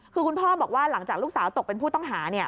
คือคุณพ่อบอกว่าหลังจากลูกสาวตกเป็นผู้ต้องหา